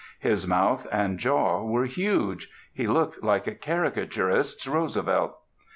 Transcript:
His mouth and jaw were huge; he looked like a caricaturist's Roosevelt.